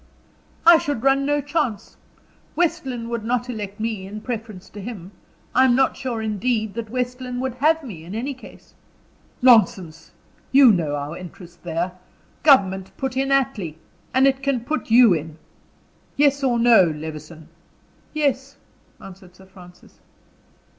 "I should run no chance. West Lynne would not elect me in preference to him. I'm not sure, indeed, that West Lynne would have me in any case." "Nonsense! You know our interest there. Government put in Attley, and it can put you in. Yes, or no, Levison?" "Yes," answered Sir Francis.